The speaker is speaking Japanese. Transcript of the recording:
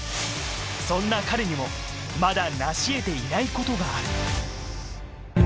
そんな彼にもまだ成しえていないことがある。